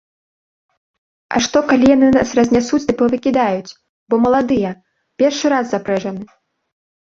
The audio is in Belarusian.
А што, калі яны нас разнясуць ды павыкідаюць, бо маладыя, першы раз запрэжаны?